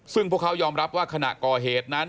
ซึ่งพวกเขายอมรับว่าขณะก่อเหตุนั้น